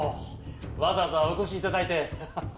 わざわざお越しいただいて。